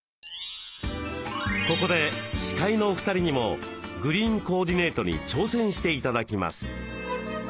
ここで司会のお二人にもグリーンコーディネートに挑戦して頂きます。